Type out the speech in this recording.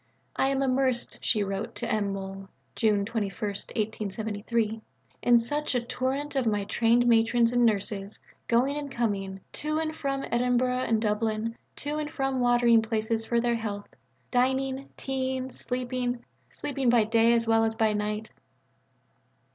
"I am immersed," she wrote to M. Mohl (June 21, 1873), "in such a torrent of my trained matrons and nurses, going and coming, to and from Edinburgh and Dublin, to and from watering places for their health, dining, tea ing, sleeping sleeping by day as well as by night."